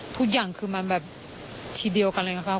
ทุกอย่างคือมันแบบทีเดียวกันเลยนะครับ